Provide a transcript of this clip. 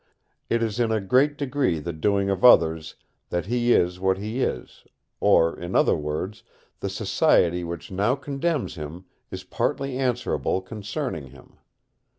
It is in a great degree the doing of others that he is what he is, or in other words, the society which now condemns him is partly answerable concerning him.